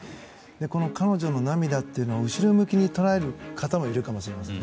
この彼女の涙というのは後ろ向きに捉える方もいるかもしれません。